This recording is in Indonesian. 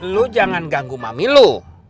lu jangan ganggu mami lu